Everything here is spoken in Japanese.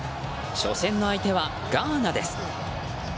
初戦の相手はガーナです。